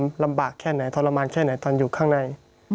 มันลำบากแค่ไหนทรมานแค่ไหนตอนอยู่ข้างใน